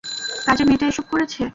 কাজের মেয়েটা এসব করেছে।